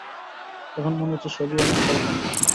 এখন মনে হচ্ছে, সবই আমার কল্পনা।